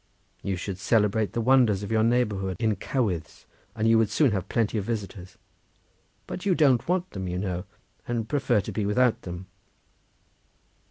You should celebrate the wonders of your neighbourhood in cowydds, and you would soon have plenty of visitors; but you don't want them, you know, and prefer to be without them."